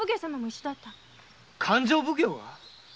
「勘定奉行」が？